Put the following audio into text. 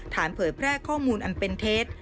เผยแพร่ข้อมูลอันเป็นเท็จ